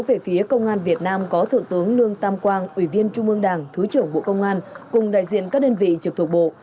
về phía công an việt nam có thượng tướng lương tam quang ủy viên trung ương đảng thứ trưởng bộ công an cùng đại diện các đơn vị trực thuộc bộ